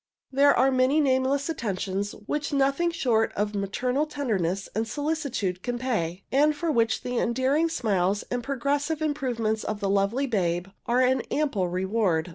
There are many nameless attentions which nothing short of maternal tenderness and solicitude can pay, and for which the endearing smiles and progressive improvements of the lovely babe are an ample reward.